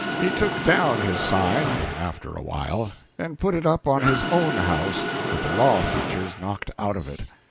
He took down his sign, after a while, and put it up on his own house with the law features knocked out of it.